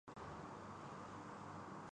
کچھ عرصہ سے کورونا کی دوسری لہر سر اٹھا رہی ہے